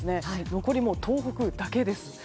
残り東北だけです。